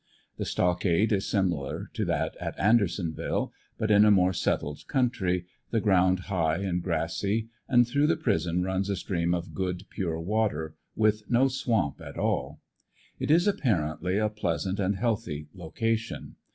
The stockade is similar to that at Andersonville, but in a more settled country, the ground high and grassy, and through the prison runs a stream of good pure water, with no swamp at all. It is apparently a pleasant and healthy location.